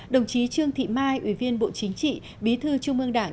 đồng chí trương thị mai ủy viên bộ chính trị bí thư trung ương đảng